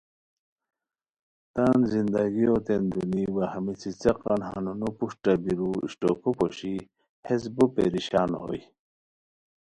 تان زندگیوتین دونی وا ہمی څیڅیقان ہنونو پروشٹہ بیرو ہے اشٹوکو پوشی، ہیس بو پریشان ہوئے